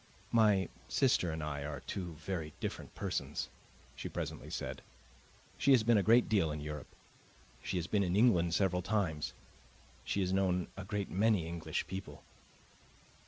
"My sister and I are two very different persons," she presently said. "She has been a great deal in Europe. She has been in England several times. She has known a great many English people."